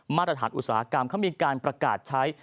มาตรฐานอุตสาหกรรมเขามีการประกาศใช้